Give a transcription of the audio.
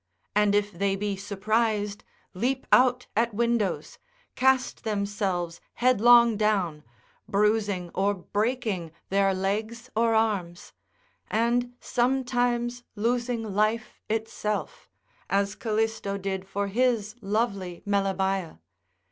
and if they be surprised, leap out at windows, cast themselves headlong down, bruising or breaking their legs or arms, and sometimes loosing life itself, as Calisto did for his lovely Melibaea.